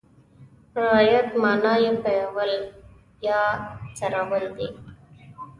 رعیت معنا یې پېول یا څرول دي.